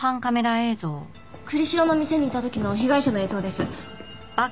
栗城の店にいた時の被害者の映像です。